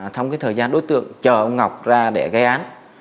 thông cái thời gian đối tượng chờ ông ngọc ra để ghi gán